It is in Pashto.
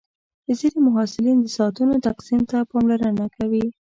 ځینې محصلین د ساعتونو تقسیم ته پاملرنه کوي.